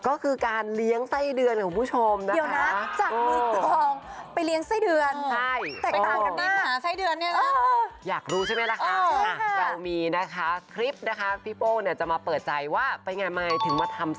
ก็คือการเลี้ยงไส้เดือนของผู้ชมนะคะ